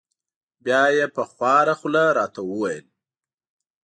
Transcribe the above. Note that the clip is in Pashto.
بیا یې په خواره خوله را ته و ویل: